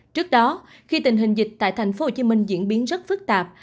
trước đó khi tình hình dịch tại thành phố hồ chí minh diễn biến rất phức tạp